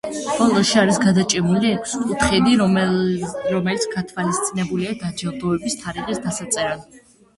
ბოლოში არის გადაჭიმული ექვსკუთხედი, რომელიც გათვალისწინებულია დაჯილდოების თარიღის დასაწერად.